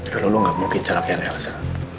kalau lo gak mungkin celak dengan elsa